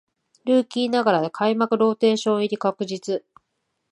ルーキーながら開幕ローテーション入り確実